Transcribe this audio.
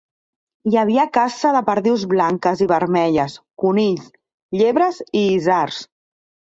Hi havia caça de perdius blanques i vermelles, conills, llebres i isards.